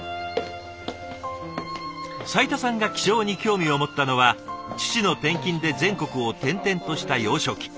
斉田さんが気象に興味を持ったのは父の転勤で全国を転々とした幼少期。